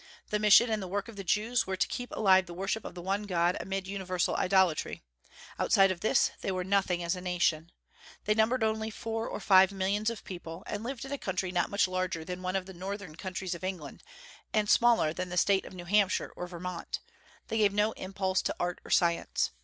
The mission and the work of the Jews were to keep alive the worship of the One God amid universal idolatry. Outside of this, they were nothing as a nation. They numbered only four or five millions of people, and lived in a country not much larger than one of the northern counties of England and smaller than the state of New Hampshire or Vermont; they gave no impulse to art or science.